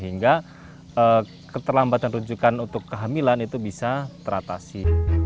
hingga keterlambatan rujukan untuk kehamilan itu bisa teratasi